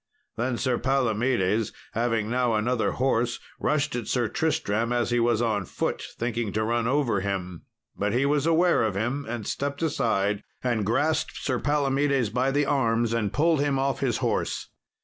Then Sir Palomedes having now another horse rushed at Sir Tristram, as he was on foot, thinking to run over him. But he was aware of him, and stepped aside, and grasped Sir Palomedes by the arms, and pulled him off his horse.